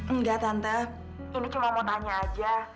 enggak tante ini cuma mau tanya aja